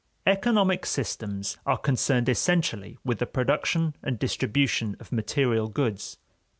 Economic systems are concerned essentially with the production and distribution of material goods.